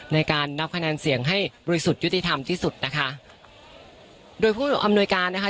ในการนับคะแนนเสียงให้บริสุทธิ์ยุติธรรมที่สุดนะคะโดยผู้อำนวยการนะคะ